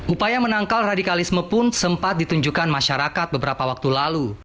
upaya menangkal radikalisme pun sempat ditunjukkan masyarakat beberapa waktu lalu